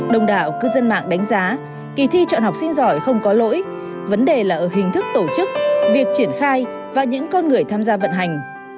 đồng đảo cư dân mạng đánh giá kỳ thi chọn học sinh giỏi không có lỗi vấn đề là ở hình thức tổ chức việc triển khai và những con người tham gia vận hành